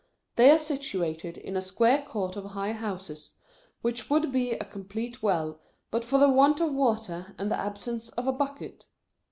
They are situated in a square court of high houses, which would be a complete well, but for the want of water and the absence of a bucket.